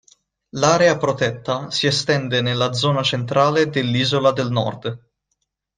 L'area protetta si estende nella zona centrale dell'Isola del Nord.